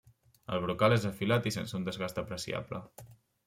El brocal és afilat i sense un desgast apreciable.